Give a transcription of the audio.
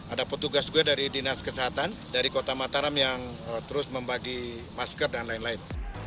ada petugas juga dari dinas kesehatan dari kota mataram yang terus membagi masker dan lain lain